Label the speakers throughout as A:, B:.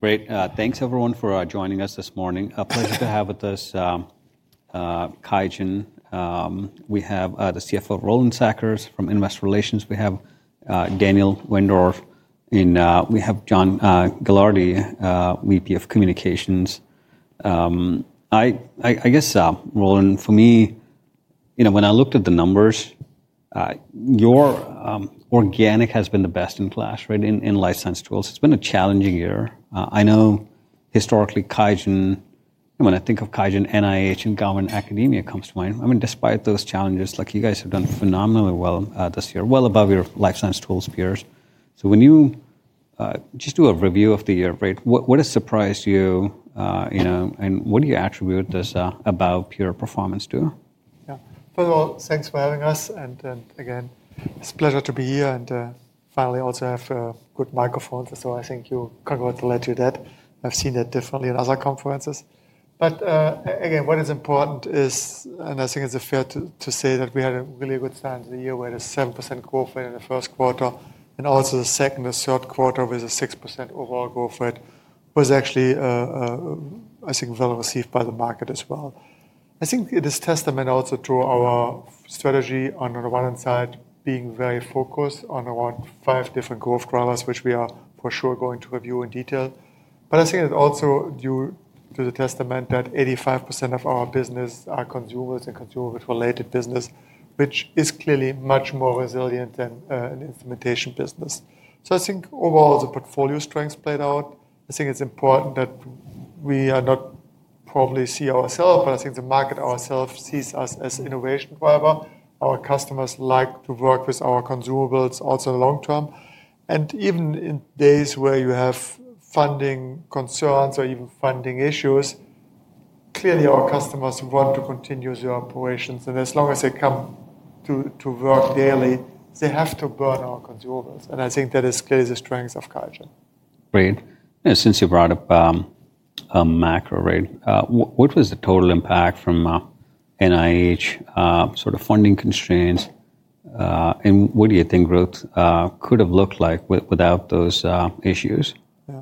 A: Great. Thanks, everyone, for joining us this morning. A pleasure to have with us Qiagen's John Gilardi. We have the CFO, Roland Sackers, from Investor Relations. We have Daniel Wendorf. We have Jonathan Sheldon, VP of Communications. I guess, Roland, for me, when I looked at the numbers, your organic has been the best in the last year in life science tools. It's been a challenging year. I know, historically, Qiagen, when I think of Qiagen, NIH, and government academia comes to mind. I mean, despite those challenges, you guys have done phenomenally well this year, well above your life science tools peers. So when you just do a review of the year, what has surprised you? And what do you attribute this above-peer performance to?
B: Yeah. First of all, thanks for having us. And again, it's a pleasure to be here. And finally, we also have a good microphone. So I think you can congratulate yourself on that. I've seen that differently in other conferences. But again, what is important is, and I think it's fair to say that we had a really good year this year, where the 7% growth rate in the first quarter, and also the second and third quarter was a 6% overall growth rate, was actually, I think, well received by the market as well. I think this is testament also to our strategy on the one hand side being very focused on around five different growth drivers, which we are for sure going to review in detail. But I think it is also a testament that 85% of our business is consumables and consumable-related business, which is clearly much more resilient than an instrumentation business. So I think overall the portfolio strengths played out. I think it's important that we probably do not see ourselves, but I think the market sees us as innovation driver. Our customers like to work with our consumables also long term. And even in days where you have funding concerns or even funding issues, clearly our customers want to continue their operations. And as long as they come to work daily, they have to burn our consumables. And I think that is clearly the strength of Qiagen. Great. Since you brought up macro rate, what was the total impact from NIH sort of funding constraints? And what do you think growth could have looked like without those issues? Yeah.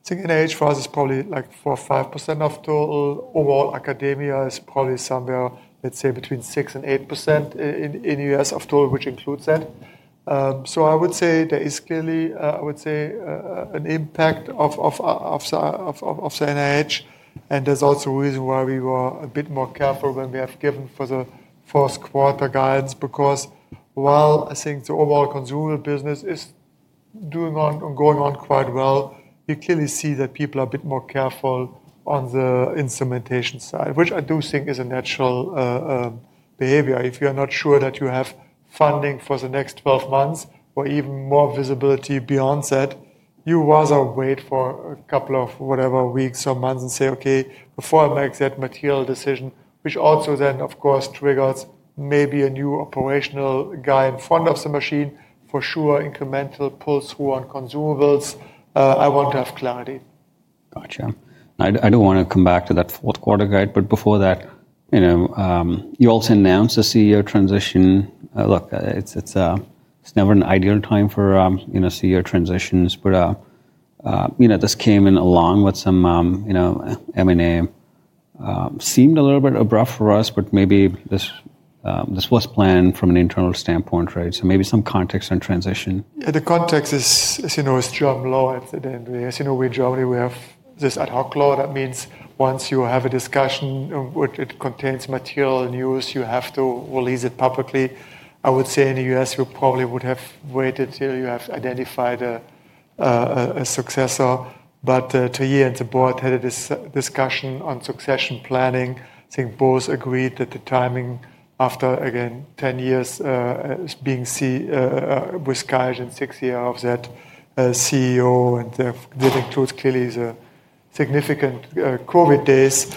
B: I think NIH was probably like 4% or 5% of total overall academia. It's probably somewhere, let's say, between 6% and 8% in the U.S. of total, which includes that. So I would say there is clearly, I would say, an impact of the NIH. And there's also a reason why we were a bit more careful when we have given for the fourth quarter guidance. Because while I think the overall consumables business is doing on and going on quite well, you clearly see that people are a bit more careful on the instrumentation side, which I do think is a natural behavior. If you're not sure that you have funding for the next 12 months or even more visibility beyond that, you rather wait for a couple of whatever weeks or months and say, OK, before I make that material decision, which also then, of course, triggers maybe a new operational guy in front of the machine, for sure, incremental pull through on consumables. I want to have clarity. Gotcha. I do want to come back to that fourth quarter guide. But before that, you also announced the CEO transition. Look, it's never an ideal time for CEO transitions. But this came in along with some M&A. Seemed a little bit abrupt for us, but maybe this was planned from an internal standpoint. So maybe some context on transition. Yeah, the context is, as you know, it's German law. At the end, as you know, we in Germany, we have this ad hoc law that means once you have a discussion, which contains material news, you have to release it publicly. I would say in the U.S., you probably would have waited till you have identified a successor. But Thierry and the board had a discussion on succession planning. I think both agreed that the timing after, again, 10 years being with Qiagen and six years of that CEO, and that includes clearly the significant COVID days,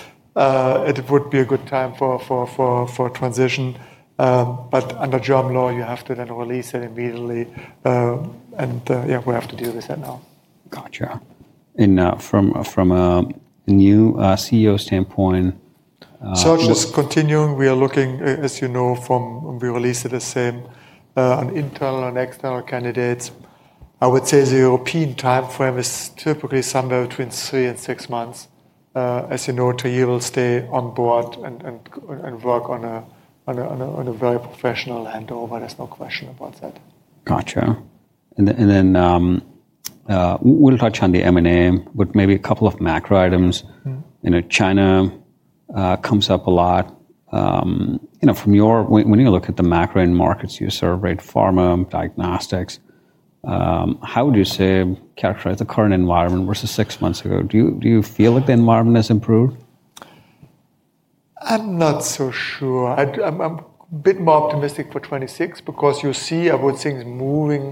B: it would be a good time for transition, but under German law, you have to then release it immediately, and yeah, we have to deal with that now. Gotcha. And from a new CEO standpoint. search is continuing. We are looking, as you know, for internal and external candidates. I would say the European time frame is typically somewhere between three and six months. As you know, Thierry will stay on board and work on a very professional handover. There's no question about that. Gotcha. And then we'll touch on the M&A, but maybe a couple of macro items. China comes up a lot. From your, when you look at the macro in markets, you serve right pharma, diagnostics. How would you say characterize the current environment versus six months ago? Do you feel like the environment has improved? I'm not so sure. I'm a bit more optimistic for 2026 because you see, I would think, moving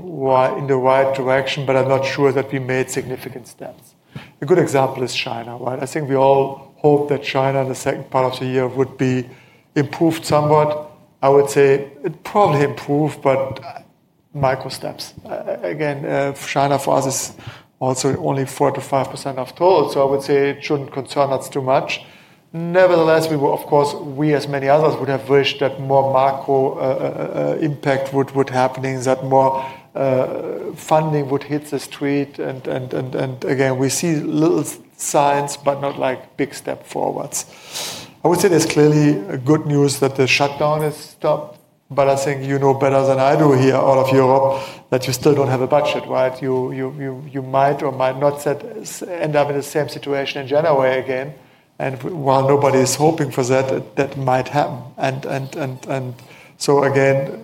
B: in the right direction, but I'm not sure that we made significant steps. A good example is China. I think we all hope that China in the second part of the year would be improved somewhat. I would say it probably improved, but micro steps. Again, China for us is also only 4%-5% of total. So I would say it shouldn't concern us too much. Nevertheless, we were, of course, we as many others would have wished that more macro impact would happen, that more funding would hit the street. And again, we see little signs, but not like big step forwards. I would say there's clearly good news that the shutdown is stopped. But I think you know better than I do here, all of Europe, that you still don't have a budget. You might or might not end up in the same situation in January again. And while nobody is hoping for that, that might happen. And so again,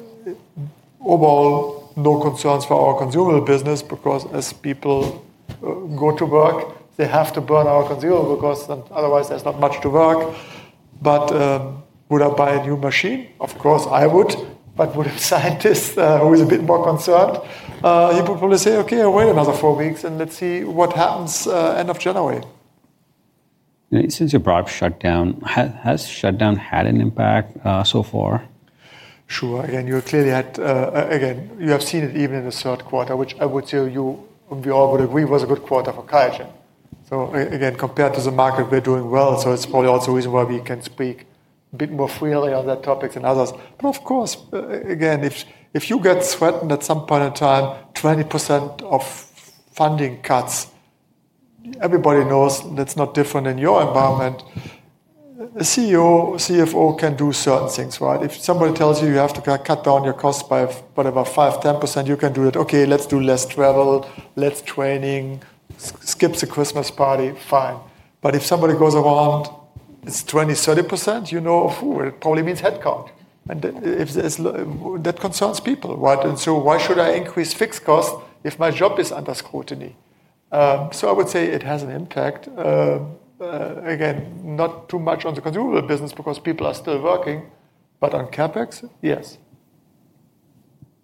B: overall, no concerns for our consumables business because as people go to work, they have to burn our consumables because otherwise there's not much to work. But would I buy a new machine? Of course, I would. But would a scientist who is a bit more concerned? He would probably say, OK, wait another four weeks and let's see what happens end of January. Since you brought up shutdown, has shutdown had an impact so far? Sure. And you clearly had, again, you have seen it even in the third quarter, which I would say we all would agree was a good quarter for Qiagen. So again, compared to the market, we're doing well. So it's probably also a reason why we can speak a bit more freely on that topic than others. But of course, again, if you get threatened at some point in time, 20% of funding cuts, everybody knows that's not different in your environment. A CEO, CFO can do certain things. If somebody tells you you have to cut down your cost by whatever, 5%, 10%, you can do that. OK, let's do less travel, less training, skip the Christmas party. Fine. But if somebody goes around, it's 20%, 30%, you know, it probably means headcount. And that concerns people. And so why should I increase fixed costs if my job is under scrutiny? So I would say it has an impact. Again, not too much on the consumer business because people are still working. But on CapEx, yes.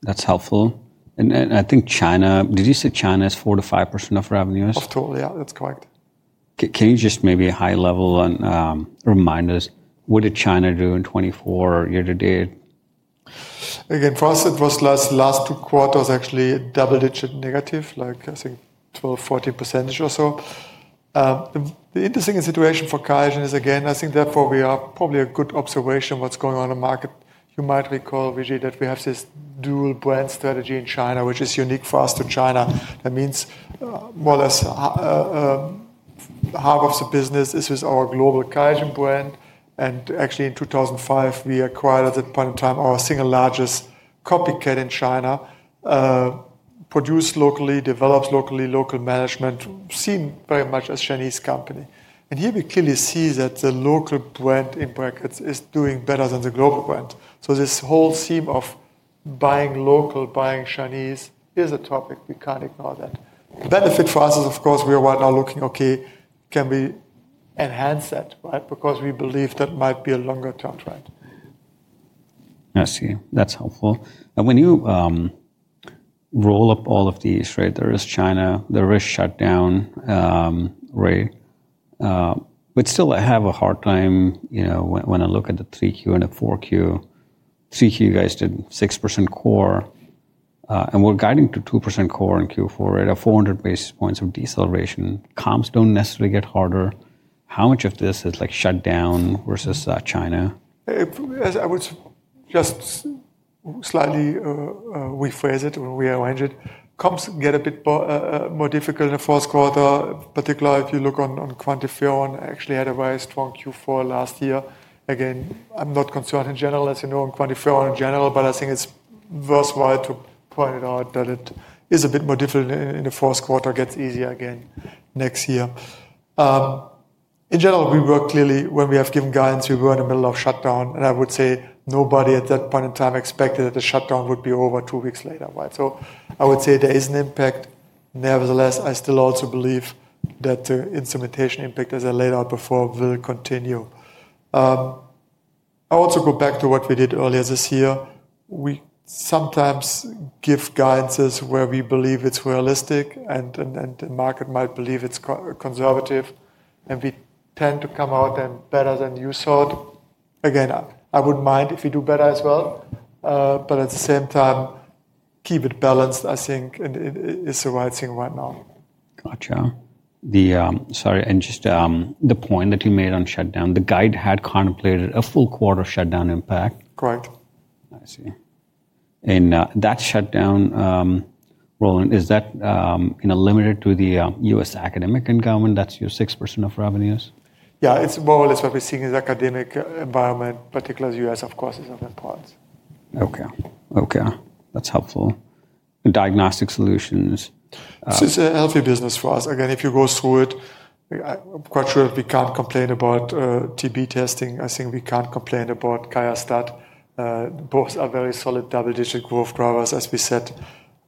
B: That's helpful. And I think China, did you say China is 4%-5% of revenues? Of total, yeah, that's correct. Can you just maybe high level remind us, what did China do in 2024 year to date? Again, for us, it was last two quarters actually double-digit negative, like I think 12%, 14% or so. The interesting situation for Qiagen is, again, I think therefore we are probably a good observation of what's going on in the market. You might recall, Vijay, that we have this dual brand strategy in China, which is unique for us to China. That means more or less half of the business is with our global Qiagen brand. And actually in 2005, we acquired at the point in time our single largest copycat in China, produced locally, developed locally, local management, seen very much as a Chinese company. And here we clearly see that the local brand in brackets is doing better than the global brand. So this whole theme of buying local, buying Chinese is a topic we can't ignore that. The benefit for us is, of course, we are right now looking, OK, can we enhance that? Because we believe that might be a longer-term trend. I see. That's helpful. And when you roll up all of these, there is China, there is shutdown rate. But still, I have a hard time when I look at the 3Q and the 4Q. 3Q, you guys did 6% core. And we're guiding to 2% core in Q4 at 400 basis points of deceleration. Comps don't necessarily get harder. How much of this is like shutdown versus China? I would just slightly rephrase it or rearrange it. Comps get a bit more difficult in the fourth quarter, particularly if you look on QuantiFERON. Actually had a very strong Q4 last year. Again, I'm not concerned in general, as you know, on QuantiFERON in general. But I think it's worthwhile to point it out that it is a bit more difficult in the fourth quarter, gets easier again next year. In general, we were clearly, when we have given guidance, we were in the middle of shutdown, and I would say nobody at that point in time expected that the shutdown would be over two weeks later, so I would say there is an impact. Nevertheless, I still also believe that the instrumentation impact, as I laid out before, will continue. I also go back to what we did earlier this year. We sometimes give guidances where we believe it's realistic and the market might believe it's conservative. And we tend to come out then better than you thought. Again, I wouldn't mind if we do better as well. But at the same time, keep it balanced, I think, is the right thing right now. Gotcha. Sorry, and just the point that you made on shutdown, the guide had contemplated a full quarter shutdown impact. Correct. I see. And that shutdown, Roland, is that limited to the U.S. academic environment? That's your 6% of revenues? Yeah, it's more or less what we're seeing in the academic environment, particularly U.S., of course, is of importance. OK. That's helpful. Diagnostic solutions. This is a healthy business for us. Again, if you go through it, I'm quite sure we can't complain about TB testing. I think we can't complain about QIAstat. Both are very solid double-digit growth drivers, as we said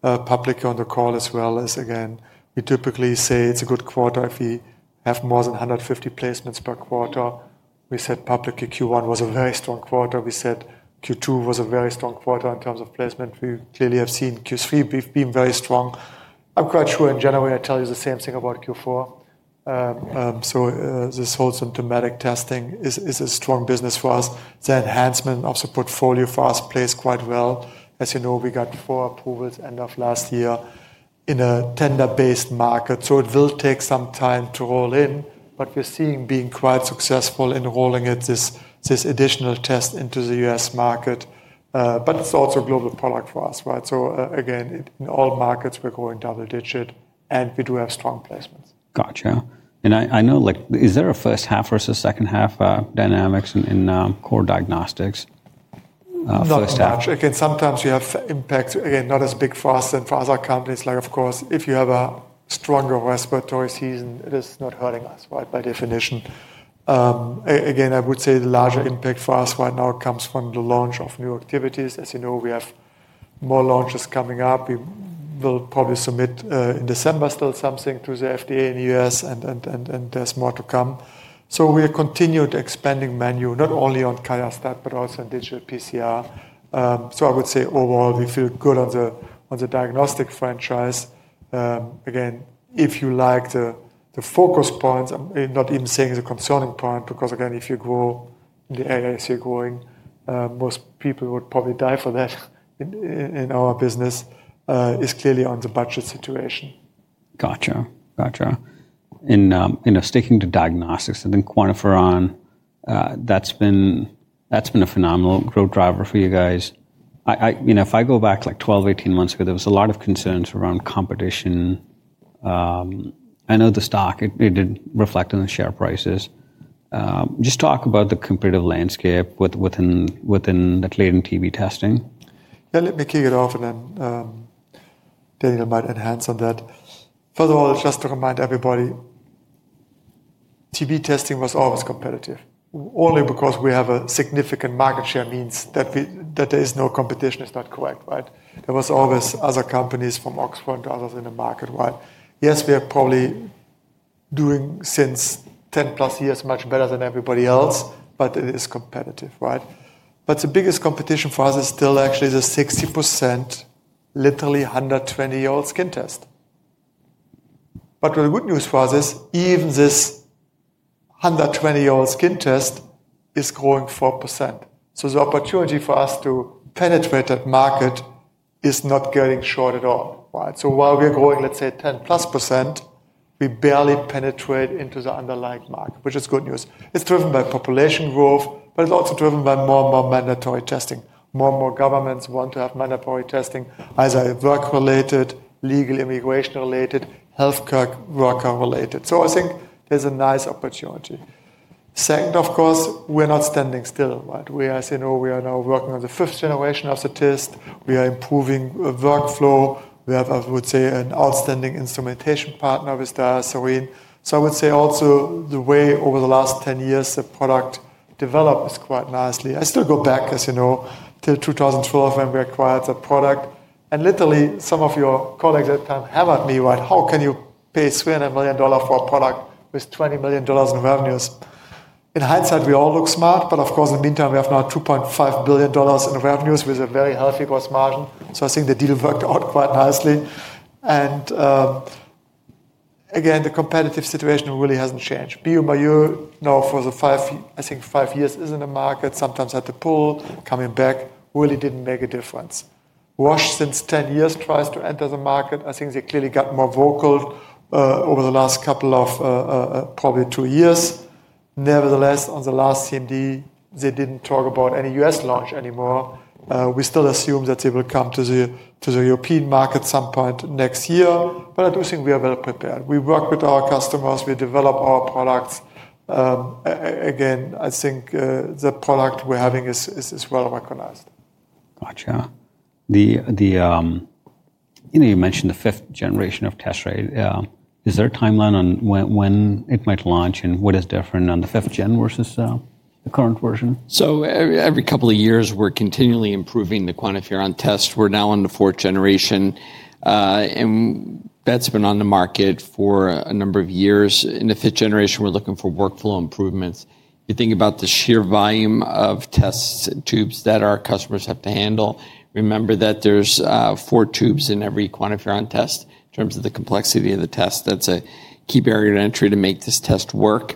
B: publicly on the call as well as again, we typically say it's a good quarter if we have more than 150 placements per quarter. We said publicly Q1 was a very strong quarter. We said Q2 was a very strong quarter in terms of placement. We clearly have seen Q3, we've been very strong. I'm quite sure in January, I tell you the same thing about Q4. So this whole symptomatic testing is a strong business for us. The enhancement of the portfolio for us plays quite well. As you know, we got four approvals end of last year in a tender-based market. So it will take some time to roll in. But we're seeing being quite successful in rolling this additional test into the U.S. market. But it's also a global product for us. So again, in all markets, we're growing double-digit and we do have strong placements. Gotcha. And I know, is there a first half versus second half dynamics in core diagnostics? Not much. Again, sometimes we have impacts, again, not as big for us than for other companies. Like, of course, if you have a stronger respiratory season, it is not hurting us by definition. Again, I would say the larger impact for us right now comes from the launch of new activities. As you know, we have more launches coming up. We will probably submit in December still something to the FDA in the U.S. and there's more to come. So we are continued expanding menu, not only on QIAstat, but also on digital PCR. So I would say overall, we feel good on the diagnostic franchise. Again, if you like the focus points, I'm not even saying it's a concerning point because again, if you grow in the area you're growing, most people would probably die for that in our business, is clearly on the budget situation. Gotcha. Gotcha. And sticking to diagnostics and then QuantiFERON, that's been a phenomenal growth driver for you guys. If I go back like 12, 18 months ago, there was a lot of concerns around competition. I know the stock, it did reflect on the share prices. Just talk about the competitive landscape within that latent TB testing. Yeah, let me kick it off and then Daniel might enhance on that. First of all, just to remind everybody, TB testing was always competitive. Only because we have a significant market share means that there is no competition is not correct. There was always other companies from Oxford and others in the market. Yes, we are probably doing since 10 plus years much better than everybody else, but it is competitive. But the biggest competition for us is still actually the 60%, literally 120-year-old skin test. But the good news for us is even this 120-year-old skin test is growing 4%. So the opportunity for us to penetrate that market is not getting short at all. So while we're growing, let's say, 10 plus %, we barely penetrate into the underlying market, which is good news. It's driven by population growth, but it's also driven by more and more mandatory testing. More and more governments want to have mandatory testing as a work-related, legal, immigration-related, healthcare worker-related. So I think there's a nice opportunity. Second, of course, we're not standing still. As you know, we are now working on the fifth generation of the test. We are improving workflow. We have, I would say, an outstanding instrumentation partner with DiaSorin. So I would say also the way over the last 10 years, the product developed is quite nicely. I still go back, as you know, till 2012 when we acquired the product, and literally, some of your colleagues at the time hammered me, how can you pay $300 million for a product with $20 million in revenues? In hindsight, we all look smart. But of course, in the meantime, we have now $2.5 billion in revenues with a very healthy gross margin. So I think the deal worked out quite nicely. And again, the competitive situation really hasn't changed. bioMérieux, now for the five, I think, five years, is in the market, sometimes had to pull, coming back, really didn't make a difference. Roche since 10 years tries to enter the market. I think they clearly got more vocal over the last couple of probably two years. Nevertheless, on the last CMD, they didn't talk about any U.S. launch anymore. We still assume that they will come to the European market at some point next year. But I do think we are well prepared. We work with our customers. We develop our products. Again, I think the product we're having is well recognized. Gotcha. You mentioned the fifth generation of QIAstat. Is there a timeline on when it might launch and what is different on the fifth gen versus the current version?
C: Every couple of years, we're continually improving the QuantiFERON test. We're now on the fourth generation. That's been on the market for a number of years. In the fifth generation, we're looking for workflow improvements. You think about the sheer volume of test tubes that our customers have to handle. Remember that there's four tubes in every QuantiFERON test. In terms of the complexity of the test, that's a key barrier to entry to make this test work.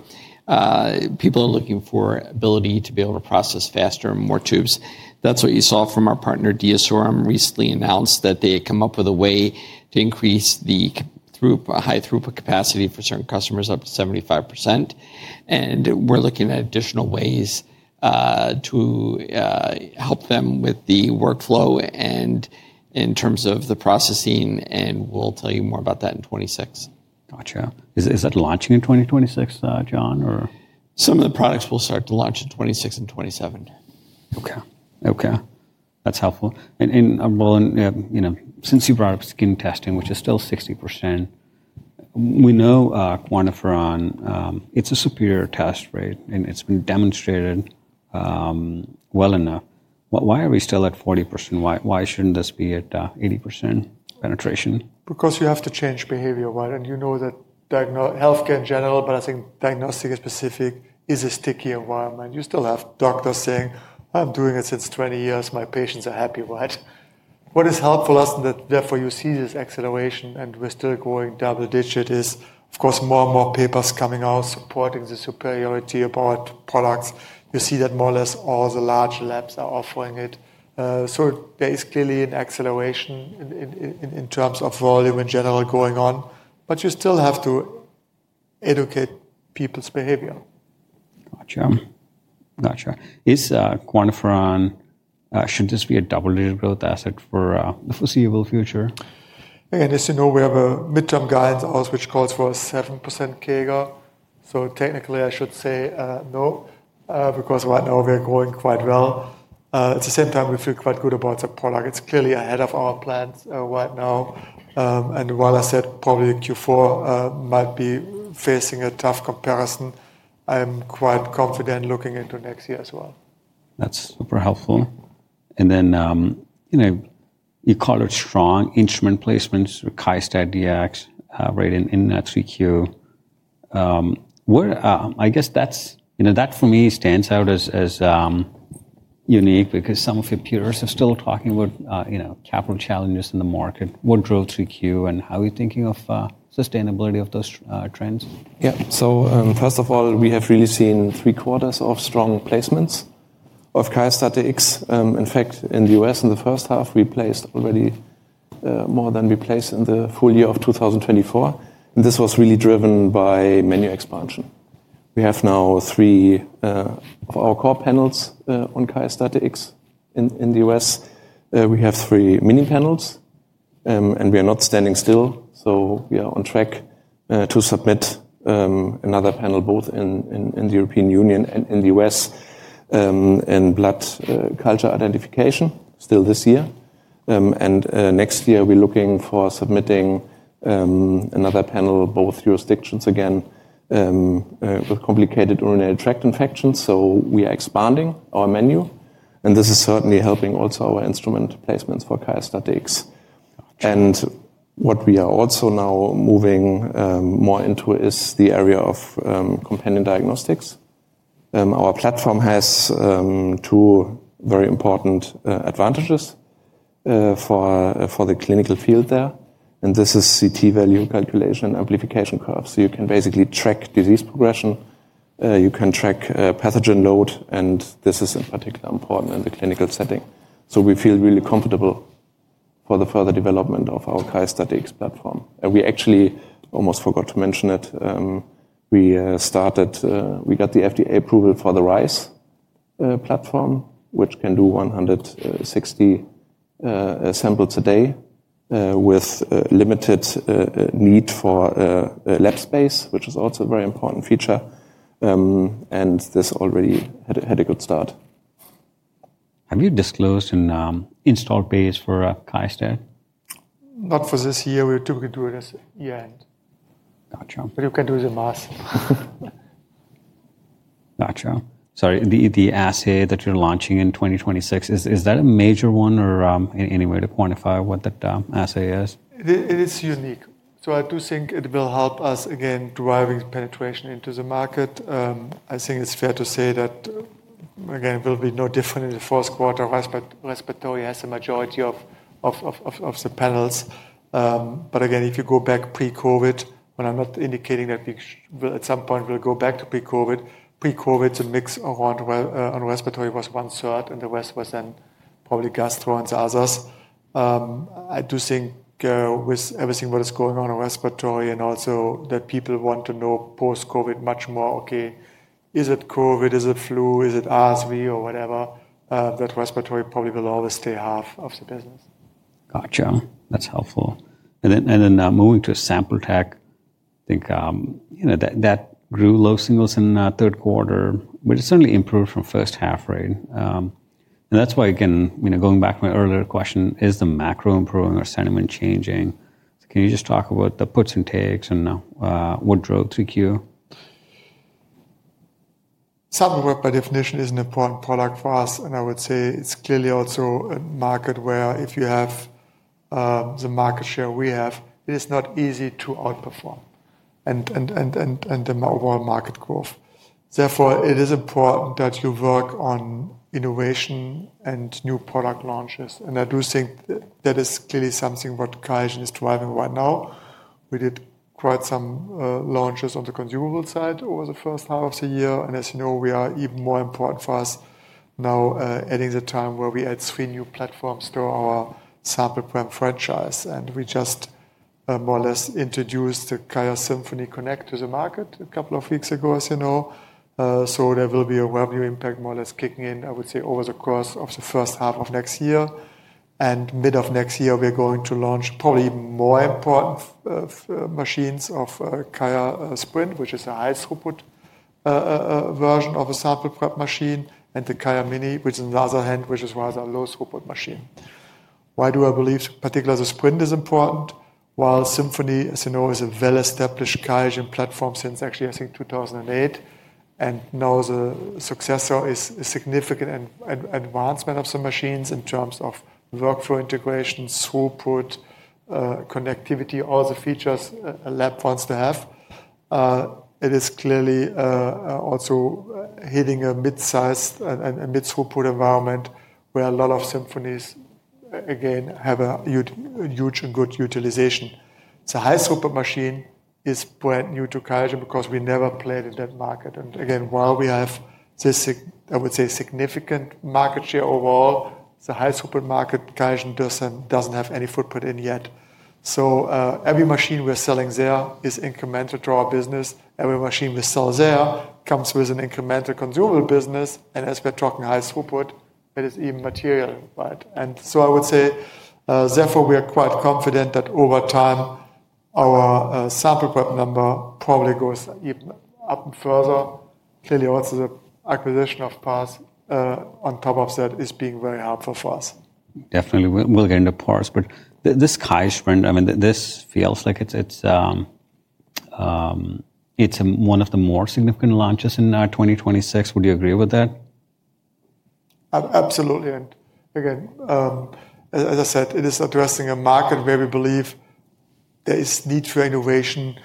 C: People are looking for ability to be able to process faster and more tubes. That's what you saw from our partner, DiaSorin. They recently announced that they had come up with a way to increase the high throughput capacity for certain customers up to 75%. We're looking at additional ways to help them with the workflow and in terms of the processing. We'll tell you more about that in 2026. Gotcha. Is that launching in 2026, John, or? Some of the products will start to launch in 2026 and 2027. OK. OK. That's helpful. And Roland, since you brought up skin testing, which is still 60%, we know QuantiFERON, it's a superior test, right. And it's been demonstrated well enough. Why are we still at 40%? Why shouldn't this be at 80% penetration?
B: Because you have to change behavior. You know that healthcare in general, but I think diagnostic is specific, is a sticky environment. You still have doctors saying, I'm doing it since 20 years. My patients are happy. What is helpful is that therefore you see this acceleration. We're still growing double-digit. There's, of course, more and more papers coming out supporting the superiority about products. You see that more or less all the large labs are offering it. There is clearly an acceleration in terms of volume in general going on. But you still have to educate people's behavior. Gotcha. Gotcha. Is QuantiFERON, should this be a double-digit growth asset for the foreseeable future? Again, as you know, we have a midterm guidance out, which calls for a 7% CAGR. So technically, I should say no, because right now we're growing quite well. At the same time, we feel quite good about the product. It's clearly ahead of our plans right now. And while I said probably Q4 might be facing a tough comparison, I'm quite confident looking into next year as well. That's super helpful, and then you called it strong instrument placements, QIAstat placement rate in 3Q. I guess that for me stands out as unique because some of your peers are still talking about capital challenges in the market. What drove 3Q and how are you thinking of sustainability of those trends?
C: Yeah. So first of all, we have really seen three quarters of strong placements of QIAstat-Dx. In fact, in the U.S., in the first half, we placed already more than we placed in the full year of 2024. And this was really driven by menu expansion. We have now three of our core panels on QIAstat-Dx in the U.S. We have three mini panels. And we are not standing still. So we are on track to submit another panel both in the European Union and in the U.S. in blood culture identification still this year. And next year, we're looking for submitting another panel, both jurisdictions again, with complicated urinary tract infections. So we are expanding our menu. And this is certainly helping also our instrument placements for QIAstat-Dx. And what we are also now moving more into is the area of companion diagnostics. Our platform has two very important advantages for the clinical field there. And this is CT value calculation amplification curve. So you can basically track disease progression. You can track pathogen load. And this is particularly important in the clinical setting. So we feel really comfortable for the further development of our QIAstat-Dx platform. And we actually almost forgot to mention it. We got the FDA approval for the QIAstat-Dx Rise platform, which can do 160 samples a day with limited need for lab space, which is also a very important feature. And this already had a good start. Have you disclosed an installed base for QIAstat-Dx?
B: Not for this year. We took it to a year end. Gotcha. But you can do the math. Gotcha. Sorry, the assay that you're launching in 2026, is that a major one or any way to quantify what that assay is? It is unique. So I do think it will help us again driving penetration into the market. I think it's fair to say that, again, it will be no different in the fourth quarter. Respiratory has the majority of the panels. But again, if you go back pre-COVID, and I'm not indicating that we will at some point go back to pre-COVID, pre-COVID, the mix around on respiratory was one third. And the rest was then probably gastro and the others. I do think with everything what is going on on respiratory and also that people want to know post-COVID much more, OK, is it COVID? Is it flu? Is it RSV or whatever? That respiratory probably will always stay half of the business. Gotcha. That's helpful. And then moving to sample tech, I think that grew low singles in third quarter, but it certainly improved from first half rate. And that's why, again, going back to my earlier question, is the macro improving or sentiment changing? Can you just talk about the puts and takes and what drove 3Q? Sample workflow by definition is an important product for us. And I would say it's clearly also a market where if you have the market share we have, it is not easy to outperform the overall market growth. Therefore, it is important that you work on innovation and new product launches. And I do think that is clearly something that Qiagen is driving right now. We did quite some launches on the consumable side over the first half of the year. And as you know, it is even more important for us now at a time where we add three new platforms to our sample prep franchise. And we just more or less introduced the QIAsymphony Connect to the market a couple of weeks ago, as you know. So there will be a revenue impact more or less kicking in, I would say, over the course of the first half of next year. And mid of next year, we're going to launch probably even more important machines of QIAsprint, which is a high throughput version of a sample prep machine, and the QIAmini, which is on the other hand, which is rather a low throughput machine. Why do I believe particularly the Sprint is important? While QIAsymphony, as you know, is a well-established Qiagen platform since actually, I think, 2008. And now the successor is a significant advancement of some machines in terms of workflow integration, throughput, connectivity, all the features a lab wants to have. It is clearly also hitting a mid-sized and mid-throughput environment where a lot of QIAsymphonies, again, have a huge and good utilization. It's a high throughput machine. It's brand new to Qiagen because we never played in that market. And again, while we have, I would say, significant market share overall, the high throughput market Qiagen doesn't have any footprint in yet. So every machine we're selling there is incremental to our business. Every machine we sell there comes with an incremental consumable business. And as we're talking high throughput, it is even material. And so I would say, therefore, we are quite confident that over time, our sample prep number probably goes even up and further. Clearly, also the acquisition of Pars on top of that is being very helpful for us. Definitely. We'll get into Pars. But this QIAsprint, I mean, this feels like it's one of the more significant launches in 2026. Would you agree with that? Absolutely. And again, as I said, it is addressing a market where we believe there is need for innovation.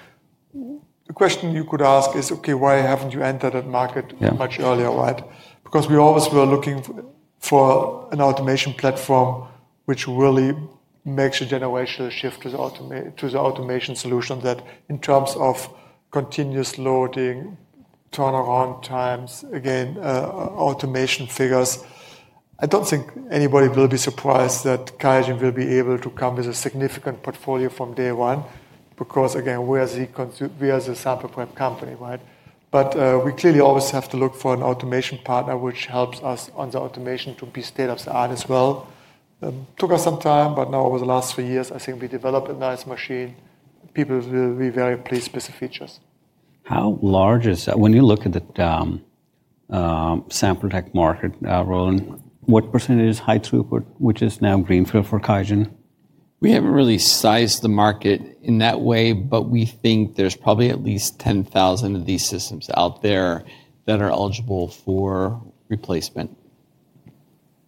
B: The question you could ask is, OK, why haven't you entered that market much earlier? Because we always were looking for an automation platform which really makes a generational shift to the automation solution that in terms of continuous loading, turnaround times, again, automation figures. I don't think anybody will be surprised that Qiagen will be able to come with a significant portfolio from day one because, again, we are the sample prep company. But we clearly always have to look for an automation partner which helps us on the automation to be state of the art as well. Took us some time. But now over the last three years, I think we developed a nice machine. People will be very pleased with the features. How large is that? When you look at the sample tech market, Roland, what percentage is high throughput, which is now greenfield for Qiagen?
C: We haven't really sized the market in that way. But we think there's probably at least 10,000 of these systems out there that are eligible for replacement.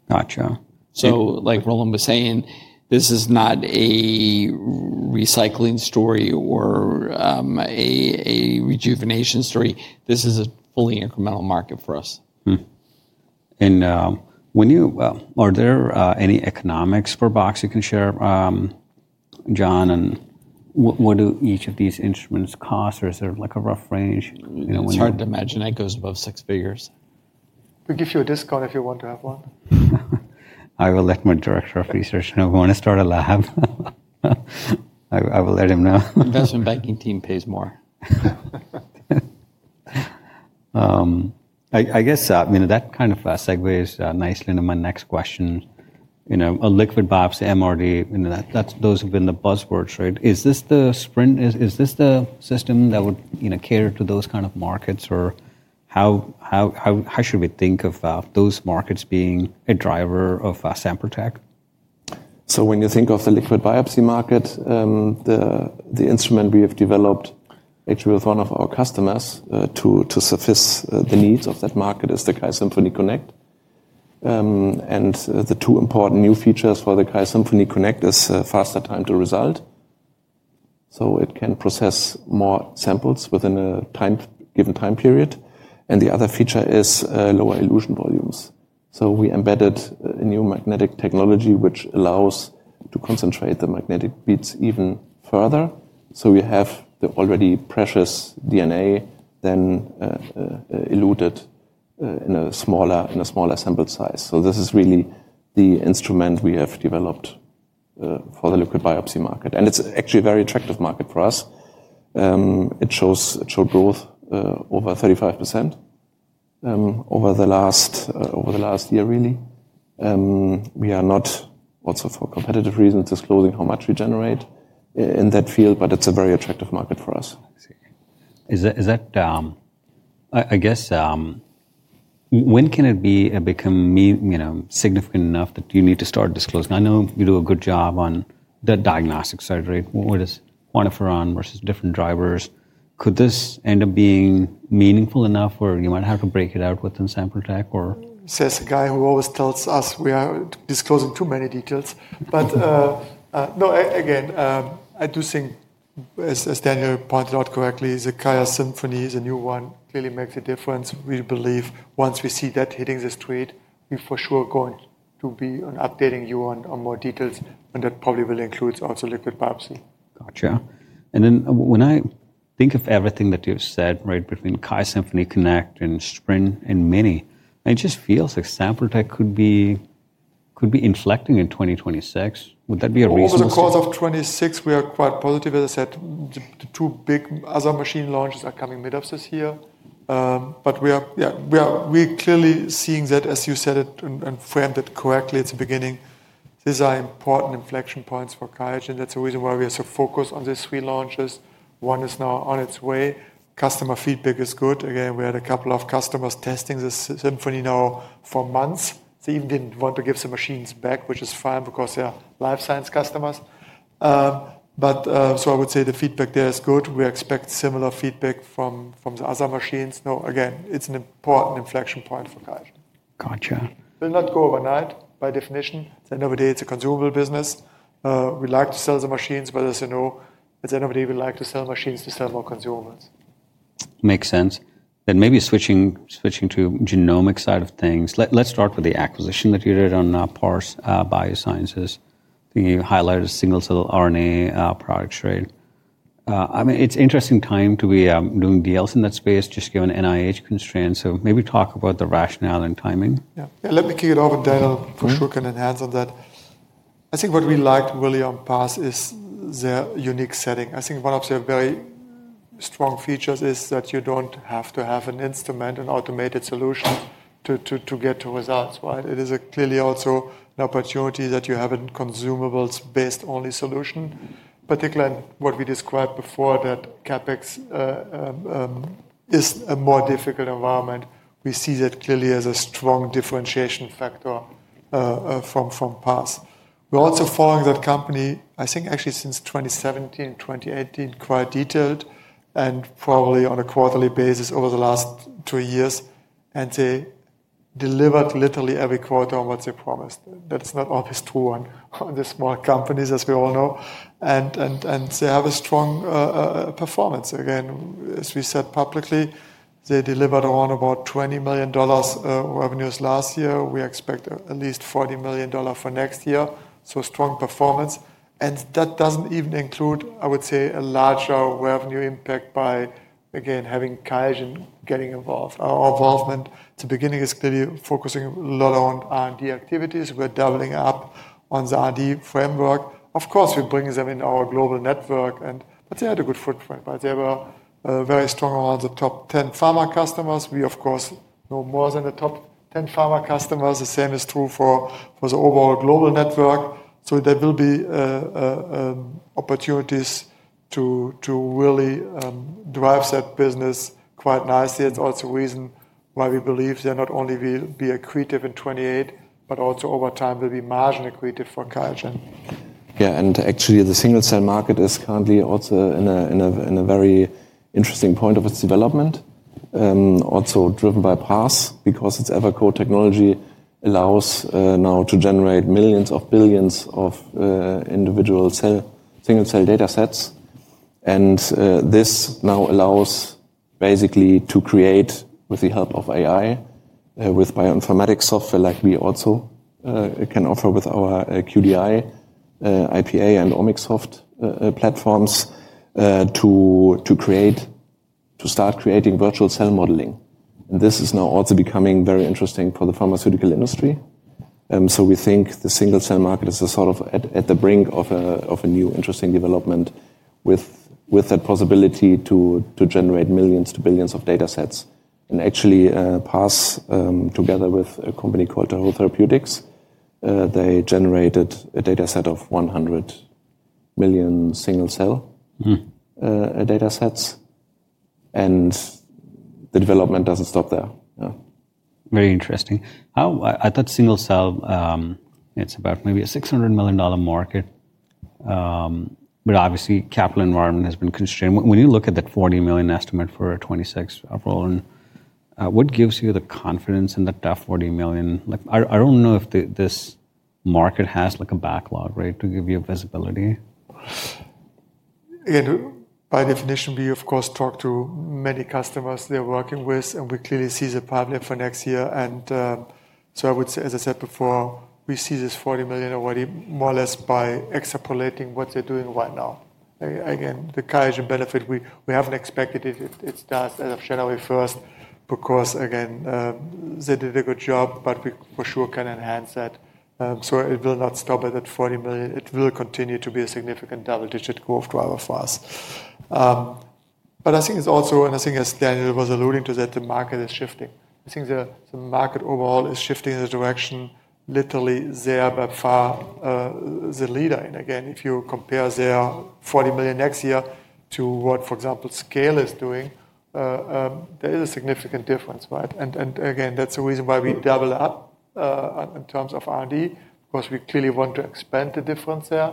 C: Gotcha. So like Roland was saying, this is not a recycling story or a rejuvenation story. This is a fully incremental market for us. Are there any economics for NGS you can share, John? What do each of these instruments cost? Is there like a rough range? It's hard to imagine. That goes above six figures.
B: We give you a discount if you want to have one. I will let my director of research know if I want to start a lab. I will let him know.
C: Investment banking team pays more. I guess that kind of segues nicely into my next question. A liquid biopsy, MRD, those have been the buzzwords, right? Is this the system that would cater to those kind of markets? Or how should we think of those markets being a driver of sample tech?
B: When you think of the liquid biopsy market, the instrument we have developed actually with one of our customers to suffice the needs of that market is the QIAsymphony Connect. The two important new features for the QIAsymphony Connect is faster time to result. So it can process more samples within a given time period. The other feature is lower elution volumes. So we embedded a new magnetic technology which allows to concentrate the magnetic beads even further. So you have the already precious DNA then eluted in a smaller sample size. This is really the instrument we have developed for the liquid biopsy market. It's actually a very attractive market for us. It showed growth over 35% over the last year, really. We are not, also for competitive reasons, disclosing how much we generate in that field. But it's a very attractive market for us. I guess when can it become significant enough that you need to start disclosing? I know you do a good job on the diagnostic side, right? What is QuantiFERON versus different drivers? Could this end up being meaningful enough where you might have to break it out within sample tech? Says a guy who always tells us we are disclosing too many details. But no, again, I do think, as Daniel pointed out correctly, the QIAsymphony is a new one. Clearly makes a difference. We believe once we see that hitting the street, we for sure are going to be updating you on more details. And that probably will include also liquid biopsy. Gotcha. And then when I think of everything that you've said between QIAsymphony Connect and QIAsprint and QIAmini, it just feels like sample tech could be inflecting in 2026. Would that be a reason? Over the course of 2026, we are quite positive. As I said, the two big other machine launches are coming mid of this year. But we are clearly seeing that, as you said it and framed it correctly at the beginning, these are important inflection points for Qiagen. That's the reason why we are so focused on these three launches. One is now on its way. Customer feedback is good. Again, we had a couple of customers testing the Symphony now for months. They even didn't want to give the machines back, which is fine because they are life science customers. But so I would say the feedback there is good. We expect similar feedback from the other machines. Again, it's an important inflection point for Qiagen. Gotcha. It will not go overnight by definition. At the end of the day, it's a consumable business. We like to sell the machines. But as you know, at the end of the day, we like to sell machines to sell more consumables. Makes sense. Then maybe switching to genomic side of things, let's start with the acquisition that you did on Pars Biosciences. You highlighted single-cell RNA products, right? I mean, it's an interesting time to be doing deals in that space just given NIH constraints. So maybe talk about the rationale and timing. Yeah. Let me kick it over. Daniel for sure can enhance on that. I think what we liked really on PARS is their unique setting. I think one of their very strong features is that you don't have to have an instrument, an automated solution to get to results. It is clearly also an opportunity that you have a consumables-based only solution. Particularly what we described before, that CapEx is a more difficult environment. We see that clearly as a strong differentiation factor from PARS. We're also following that company, I think actually since 2017, 2018, quite detailed and probably on a quarterly basis over the last two years, and they delivered literally every quarter on what they promised. That's not always true on the small companies, as we all know, and they have a strong performance. Again, as we said publicly, they delivered around about $20 million revenues last year. We expect at least $40 million for next year. So, strong performance, and that doesn't even include, I would say, a larger revenue impact by, again, having Qiagen getting involved. Our involvement at the beginning is clearly focusing a lot on R&D activities. We're doubling up on the R&D framework. Of course, we're bringing them in our global network. But they had a good footprint. They were very strong around the top 10 pharma customers. We, of course, know more than the top 10 pharma customers. The same is true for the overall global network. So, there will be opportunities to really drive that business quite nicely. It's also a reason why we believe they're not only will be accretive in 2028, but also over time will be margin accretive for Qiagen.
C: Yeah. And actually, the single cell market is currently also in a very interesting point of its development, also driven by PARS because its Evercode technology allows now to generate millions of billions of individual single cell data sets. And this now allows basically to create, with the help of AI, with bioinformatics software like we also can offer with our QDI, IPA, and Omicsoft platforms to start creating virtual cell modeling. And this is now also becoming very interesting for the pharmaceutical industry. So we think the single cell market is a sort of at the brink of a new interesting development with that possibility to generate millions to billions of data sets. And actually, PARS, together with a company called Tahoe Therapeutics, they generated a data set of 100 million single cell data sets. And the development doesn't stop there. Very interesting. I thought single cell, it's about maybe a $600 million market. But obviously, capital environment has been constrained. When you look at that $40 million estimate for 2026, Roland, what gives you the confidence in that $40 million? I don't know if this market has a backlog, right, to give you visibility?
B: By definition, we of course talk to many customers they're working with, and we clearly see the pipeline for next year, so I would say, as I said before, we see this $40 million already more or less by extrapolating what they're doing right now. Again, the Qiagen benefit we haven't expected. It starts as of January 1 because, again, they did a good job, but we for sure can enhance that, so it will not stop at that $40 million. It will continue to be a significant double-digit growth driver for us, but I think it's also, and I think as Daniel was alluding to that, the market is shifting. I think the market overall is shifting in the direction literally they are by far the leader. Again, if you compare their $40 million next year to what, for example, Scale is doing, there is a significant difference. Again, that's the reason why we double up in terms of R&D because we clearly want to expand the difference there.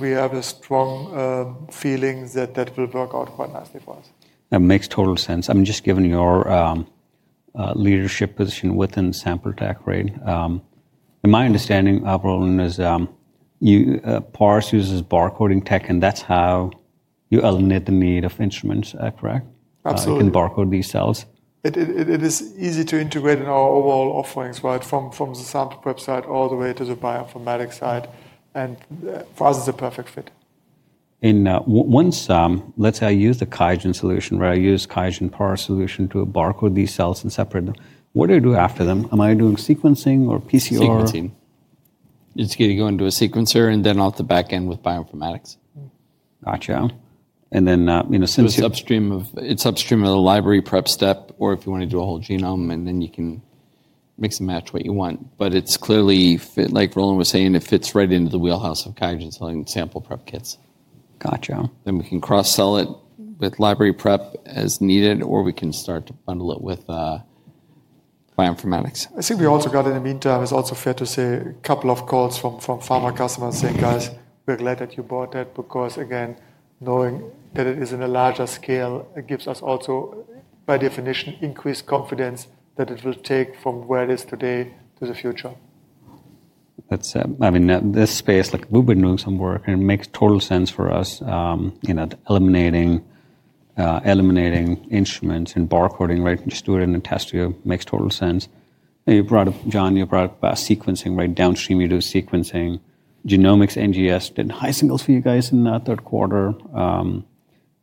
B: We have a strong feeling that that will work out quite nicely for us. That makes total sense. I mean, just given your leadership position within sample tech, right? In my understanding, Roland, Pars uses barcoding tech and that's how you eliminate the need of instruments, correct? Absolutely. So you can barcode these cells. It is easy to integrate in our overall offerings from the sample prep side all the way to the bioinformatics side, and for us, it's a perfect fit. Let's say I use the Qiagen solution, right? I use Qiagen PARS solution to barcode these cells and separate them. What do I do after them? Am I doing sequencing or PCR?
C: Sequencing. It's going to go into a sequencer and then off the back end with bioinformatics. Gotcha. And then since. It's upstream of the library prep step, or if you want to do a whole genome, and then you can mix and match what you want, but it's clearly, like Roland was saying, it fits right into the wheelhouse of Qiagen's sample prep kits. Gotcha. Then we can cross-sell it with library prep as needed. Or we can start to bundle it with bioinformatics.
B: I think we also got in the meantime, it's also fair to say, a couple of calls from pharma customers saying, guys, we're glad that you bought that because, again, knowing that it is in a larger scale, it gives us also, by definition, increased confidence that it will take from where it is today to the future. I mean, this space, we've been doing some work, and it makes total sense for us eliminating instruments and barcoding, right? Just do it in a test. It makes total sense. John, you brought up sequencing, right? Downstream, you do sequencing. Genomics NGS did high singles for you guys in the third quarter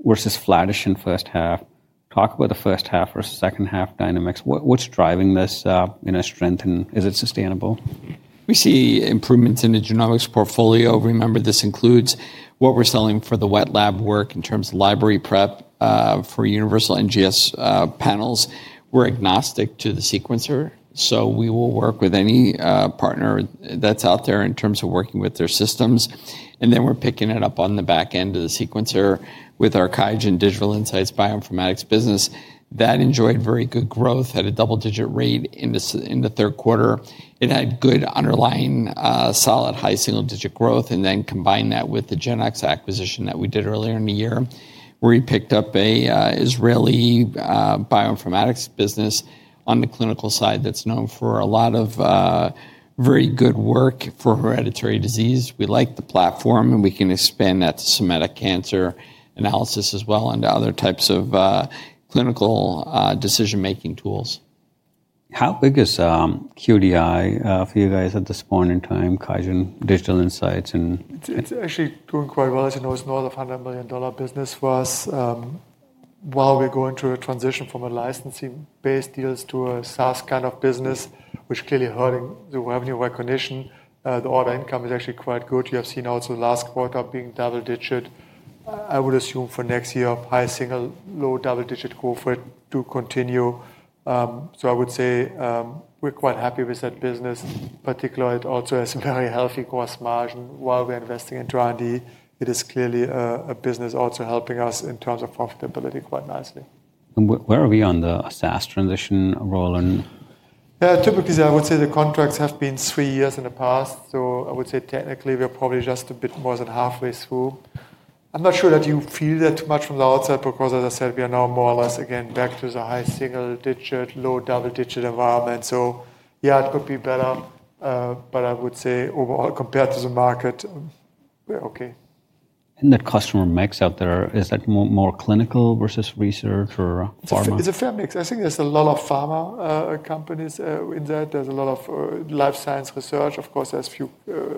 B: versus flattish in first half. Talk about the first half versus second half dynamics. What's driving this strength? And is it sustainable?
C: We see improvements in the genomics portfolio. Remember, this includes what we're selling for the wet lab work in terms of library prep for universal NGS panels. We're agnostic to the sequencer. So we will work with any partner that's out there in terms of working with their systems. And then we're picking it up on the back end of the sequencer with our Qiagen Digital Insights bioinformatics business. That enjoyed very good growth at a double-digit rate in the third quarter. It had good underlying solid high single digit growth. And then combine that with the Genoox acquisition that we did earlier in the year where we picked up an Israeli bioinformatics business on the clinical side that's known for a lot of very good work for hereditary disease. We like the platform. We can expand that to somatic cancer analysis as well and other types of clinical decision-making tools. How big is QDI for you guys at this point in time, Qiagen Digital Insights and?
B: It's actually doing quite well. As you know, it's north of $100 million business for us. While we're going through a transition from a licensing-based deal to a SaaS kind of business, which clearly is hurting the revenue recognition, the order income is actually quite good. You have seen also last quarter being double-digit. I would assume for next year, high single, low double-digit growth rate to continue. So I would say we're quite happy with that business. Particularly, it also has a very healthy gross margin. While we're investing into R&D, it is clearly a business also helping us in terms of profitability quite nicely. Where are we on the SaaS transition, Roland? Typically, I would say the contracts have been three years in the past. So I would say technically, we are probably just a bit more than halfway through. I'm not sure that you feel that too much from the outside because, as I said, we are now more or less, again, back to the high single digit, low double-digit environment. So yeah, it could be better. But I would say overall, compared to the market, we're OK. And the customer mix out there, is that more clinical versus research or pharma? It's a fair mix. I think there's a lot of pharma companies in that. There's a lot of life science research. Of course, there's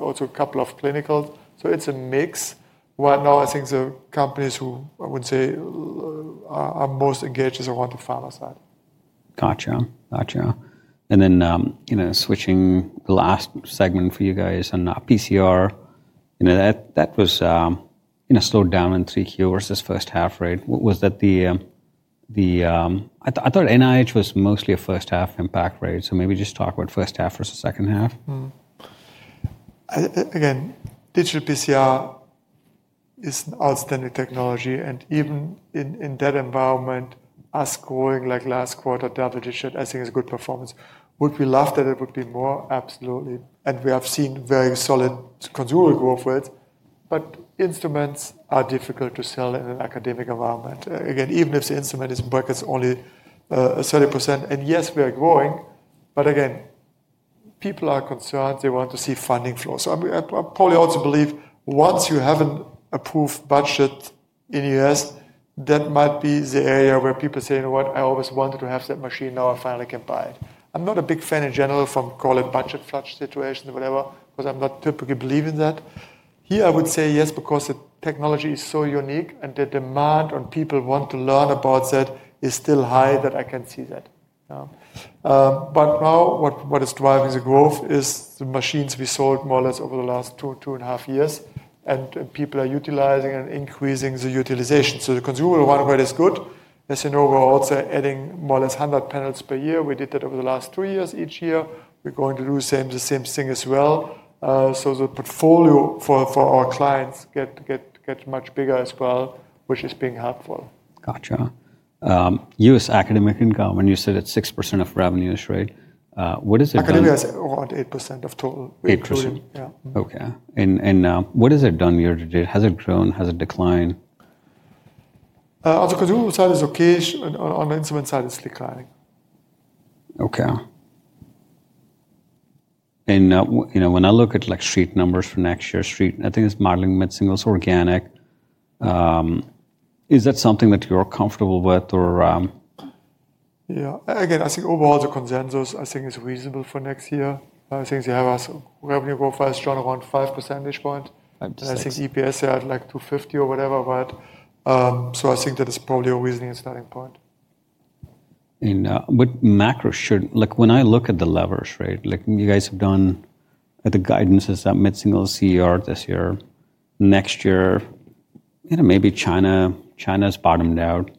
B: also a couple of clinicals. So it's a mix. Right now, I think the companies who I would say are most engaged is around the pharma side. Gotcha. Gotcha. And then switching the last segment for you guys on PCR, that was slowed down in 3Q versus first half, right? I thought NIH was mostly a first half impact, right? So maybe just talk about first half versus second half. Again, digital PCR is an outstanding technology. And even in that environment, us growing like last quarter, double-digit, I think is good performance. Would we love that it would be more? Absolutely. And we have seen very solid consumables growth rates. But instruments are difficult to sell in an academic environment. Again, even if the instrument is in brackets only 30%. And yes, we are growing. But again, people are concerned. They want to see funding flow. So I probably also believe once you have an approved budget in the U.S, that might be the area where people say, you know what, I always wanted to have that machine. Now I finally can buy it. I'm not a big fan in general from call it budget flush situation or whatever because I'm not typically believing that. Here, I would say yes because the technology is so unique. The demand on people wanting to learn about that is still high that I can see that. Now what is driving the growth is the machines we sold more or less over the last two and a half years. People are utilizing and increasing the utilization. The consumables run rate is good. As you know, we're also adding more or less 100 panels per year. We did that over the last two years each year. We're going to do the same thing as well. The portfolio for our clients gets much bigger as well, which is being helpful. Gotcha. U.S. academic income, when you said it's 6% of revenue, right? What is it? Academia is around 8% of total. 8%. Yeah. OK. And what has it done year to date? Has it grown? Has it declined? On the consumer side, it's OK. On the instrument side, it's declining. OK. And when I look at street numbers for next year, I think it's modeling mid-singles, organic. Is that something that you're comfortable with or? Yeah. Again, I think overall the consensus I think is reasonable for next year. I think they have U.S. revenue growth rates drawn around 5 percentage points. I think EPS are like $2.50 or whatever. So I think that is probably a reasonable starting point. What macro should, when I look at the levers, right? You guys have done the guidance is that mid-single CER this year. Next year, maybe China's bottomed out.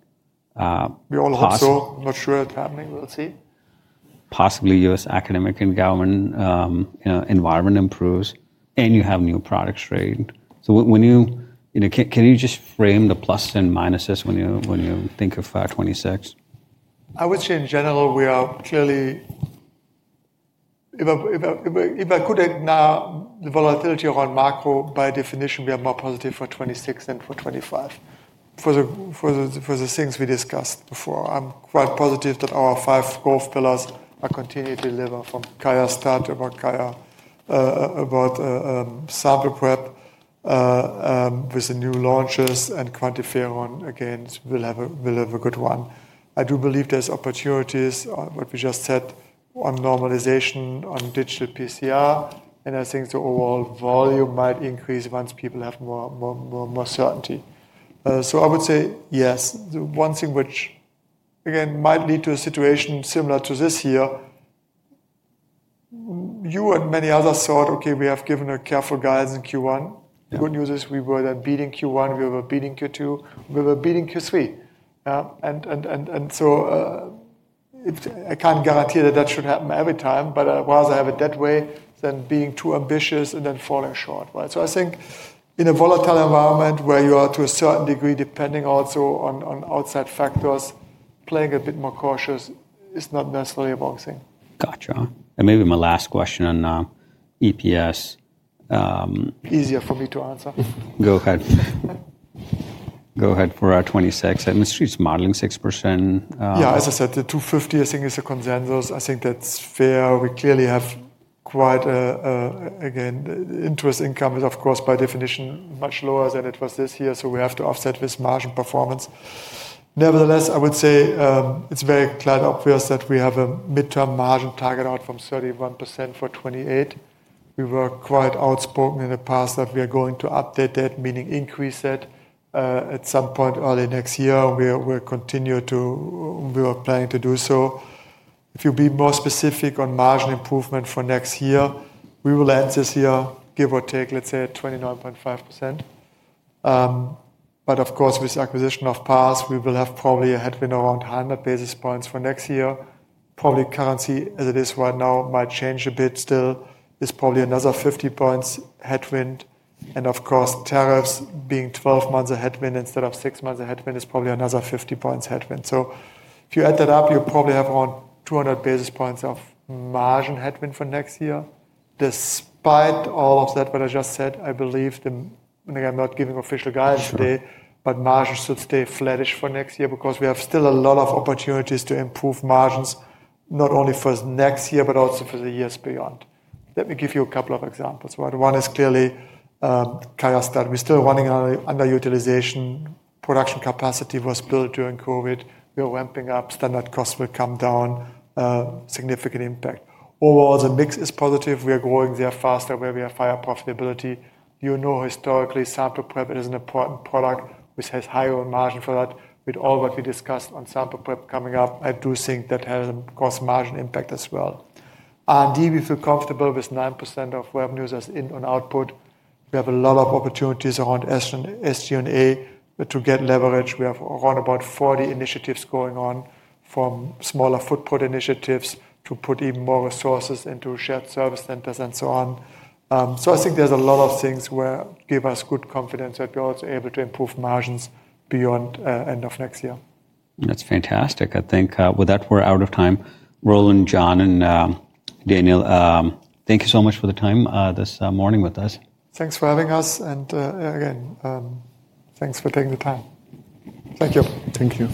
B: We all hope so. I'm not sure it's happening. We'll see. Possibly U.S. academic and government environment improves. And you have new products, right? So can you just frame the pluses and minuses when you think of 2026? I would say in general, we are clearly, if I could add now the volatility around macro, by definition, more positive for 2026 than for 2025 for the things we discussed before. I'm quite positive that our five growth pillars are continuing to deliver from Qiagen start-up or Qiagen about sample prep with the new launches, and QuantiFERON, again, will have a good run. I do believe there's opportunities, what we just said, on normalization, on digital PCR, and I think the overall volume might increase once people have more certainty, so I would say yes. The one thing which, again, might lead to a situation similar to this year, you and many others thought, OK, we have given a careful guidance in Q1. The good news is we were then beating Q1. We were beating Q2. We were beating Q3. And so I can't guarantee that that should happen every time. But while I have it that way, then being too ambitious and then falling short. So I think in a volatile environment where you are to a certain degree depending also on outside factors, playing a bit more cautious is not necessarily a wrong thing. Gotcha. And maybe my last question on EPS. Easier for me to answer. Go ahead. Go ahead for 2026. I'm assuming it's modeling 6%. Yeah. As I said, the 250 I think is a consensus. I think that's fair. We clearly have quite a, again, interest income is, of course, by definition, much lower than it was this year. So we have to offset with margin performance. Nevertheless, I would say it's very clearly obvious that we have a midterm margin target out from 31% for 2028. We were quite outspoken in the past that we are going to update that, meaning increase that at some point early next year. We will continue to, we are planning to do so. If you be more specific on margin improvement for next year, we will end this year, give or take, let's say at 29.5%. But of course, with the acquisition of PARS, we will have probably a headwind around 100 basis points for next year. Probably currency as it is right now might change a bit still. It's probably another 50 points headwind, and of course, tariffs being 12 months a headwind instead of six months a headwind is probably another 50 points headwind, so if you add that up, you probably have around 200 basis points of margin headwind for next year. Despite all of that, what I just said, I believe I'm not giving official guidance today, but margins should stay flattish for next year because we have still a lot of opportunities to improve margins not only for next year but also for the years beyond. Let me give you a couple of examples. One is clearly QIAGEN. We're still running underutilization. Production capacity was built during COVID. We are ramping up. Standard costs will come down. Significant impact. Overall, the mix is positive. We are growing there faster where we have higher profitability. You know historically sample prep is an important product, which has higher margin for that. With all what we discussed on sample prep coming up, I do think that has a gross margin impact as well. R&D, we feel comfortable with 9% of revenues as input and output. We have a lot of opportunities around SG&A to get leverage. We have around about 40 initiatives going on from smaller footprint initiatives to put even more resources into shared service centers and so on. So I think there's a lot of things that give us good confidence that we're also able to improve margins beyond end of next year. That's fantastic. I think with that, we're out of time. Roland, John, and Daniel, thank you so much for the time this morning with us. Thanks for having us. And again, thanks for taking the time. Thank you. Thank you.